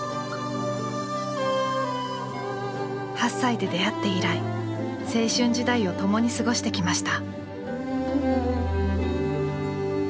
８歳で出会って以来青春時代を共に過ごしてきました。